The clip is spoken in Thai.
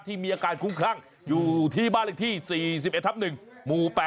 มีอาการคุ้มคลั่งอยู่ที่บ้านเลขที่๔๑ทับ๑หมู่๘